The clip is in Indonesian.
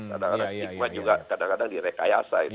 kadang kadang stigma juga kadang kadang direkayasa ini